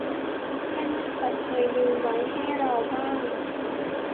เพื่อนน่าจะเคยลืมไว้ให้เราบ้าง